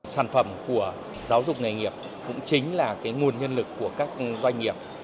sản phẩm của giáo dục nghề nghiệp cũng chính là nguồn nhân lực của các doanh nghiệp